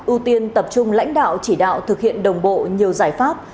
ưu tiên tập trung lãnh đạo chỉ đạo thực hiện đồng bộ nhiều giải pháp